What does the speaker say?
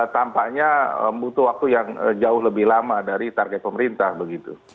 dua ribu dua puluh empat tampaknya butuh waktu yang jauh lebih lama dari target pemerintah begitu